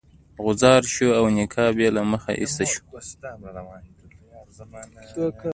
غوځار شو او نقاب یې له مخه ایسته شو.